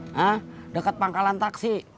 hah deket pangkalan taksi